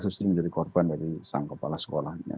dia harus menjadi korban dari sang kepala sekolahnya